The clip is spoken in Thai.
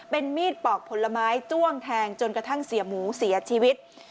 เป็นมีดปอกผลไม้จ้วงแทงจนกระทั่งเสียหมูเสียชีวิต